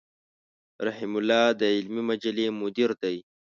رحيم الله د علمي مجلې مدير دی.